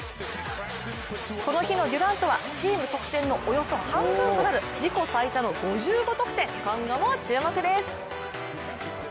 この日のデュラントはチームのおよそ半分となる自己最多の５５得点今後も注目です。